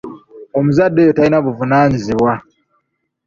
Omuzadde oyo talina buvunaanyizibwa.